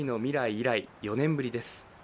以来、４年ぶりです。